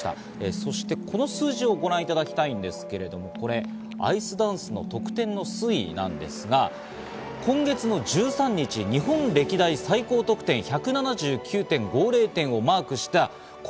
そしてこの数字をご覧いただきたいんですけど、アイスダンスの得点の推移なんですが、今月の１３日、日本歴代最高得点１７９．５０点をマークした。